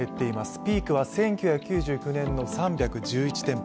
ピークは１９９９年の３１１店舗。